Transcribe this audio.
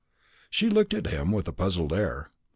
She looked at him with a puzzled air.